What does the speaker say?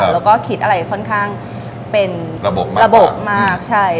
แล้วก็คิดอะไรค่อนข้างเป็นระบบมากระบบมากใช่